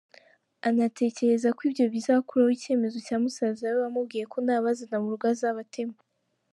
Anatekereza ko ibyo bizakuraho icyemezo cya musaza we wamubwiye ko nabazana mu rugo azamutema.